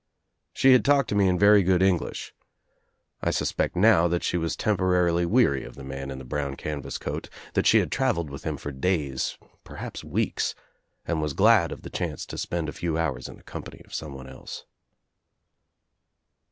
She had talked to me in very good English. I suspect now that she was temporarily weary of the man in the brown can vas coat, that she had travelled with him for days, perhaps weeks, and was glad of the chance to spend a few hours in the company of some one else.